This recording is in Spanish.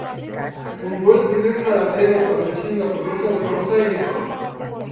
Fundó el primer saladero establecido en la provincia de Buenos Aires.